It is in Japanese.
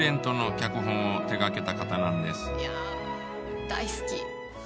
いや大好き！